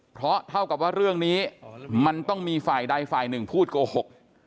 เพราะเท่ากับว่าเรื่องนี้มันต้องมีฝ่ายใดฝ่ายหนึ่งพูดโกหก